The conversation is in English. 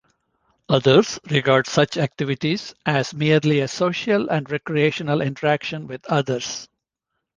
Others regard such activities as merely a social and recreational interaction with others.